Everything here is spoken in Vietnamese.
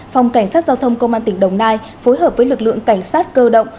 phòng cảnh sát giao thông công an tỉnh đồng nai phối hợp với lực lượng cảnh sát cơ động